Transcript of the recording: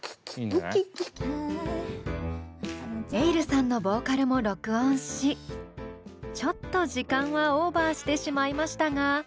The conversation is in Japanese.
ｅｉｌｌさんのボーカルも録音しちょっと時間はオーバーしてしまいましたが。